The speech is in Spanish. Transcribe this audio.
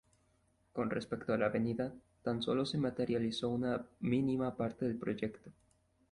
Con respecto a la avenida, tan sólo se materializó una mínima parte del proyecto.